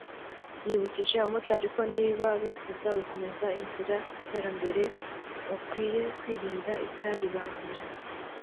yibukije abamotari ko niba bifuza gukomeza inzira y’iterambere bakwiye kwirinda icyaribangamira